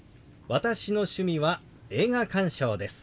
私の趣味は映画鑑賞です。